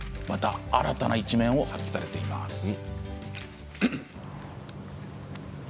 また新たな一面を見せています。